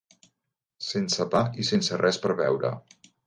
Sense pa i sense res per beure